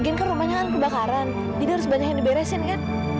mungkin kok rumahnya kan kebakaran jadi harus banyak yang diberesin kan